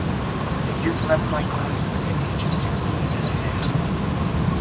A youth left my class at the age of sixteen and a half.